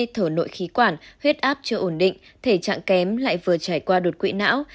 thở nội khí quản huyết áp chưa ổn định thể trạng kém lại vừa trải qua đột quỵ não